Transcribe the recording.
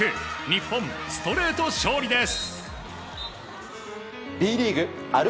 日本ストレート勝利です。